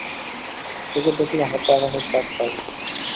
তোকে দেখলে হাতে আকাশের চাঁদ পাবেন।